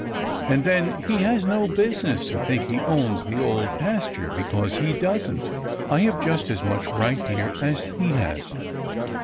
And then, he has no business to think he owns the Old Pasture, because he doesn't. I have just as much right here as he has.